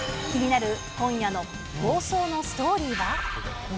気になる今夜の放送のストーリーは。